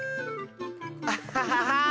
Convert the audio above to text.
アッハハハー！